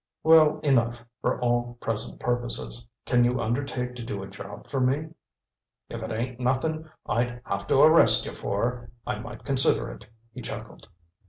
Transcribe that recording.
"Well enough, for all present purposes. Can you undertake to do a job for me?" "If it ain't nothing I'd have to arrest you for, I might consider it," he chuckled.